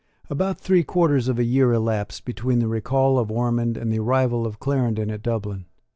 About three quarters of a year elapsed between the recall of Ormond and the arrival of Clarendon at Dublin.